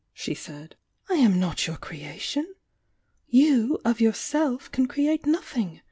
she said— "I am not your crea tion. You, of yourself, can create nothing.